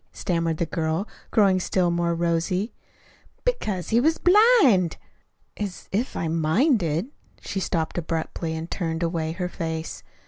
stammered the girl, growing still more rosy. "Because he was blind." "As if I'd minded " She stopped abruptly and turned away her face.